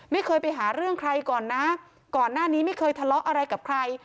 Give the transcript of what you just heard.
ไม่เคยไปหาเรื่องใครก่อนนะก่อนหน้านี้ไม่เคยทะเลาะอะไรกับใคร